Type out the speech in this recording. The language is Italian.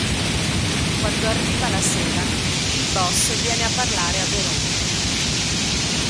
Quando arriva la sera, il boss viene a parlare a Veronica.